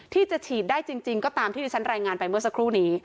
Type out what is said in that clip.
ที่จะฉีดได้จริงก็ตามที่ที่ฉันรายงานไปเมื่อสักครู่นี้